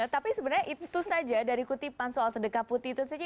tapi sebenarnya itu saja dari kutipan soal sedekah putih itu saja